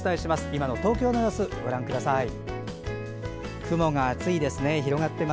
今の東京の様子ご覧ください。